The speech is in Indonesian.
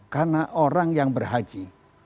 karena orang yang berhaji